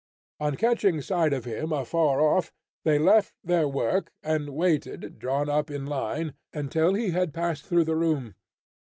On catching sight of him afar off, they left their work, and waited, drawn up in line, until he had passed through the room.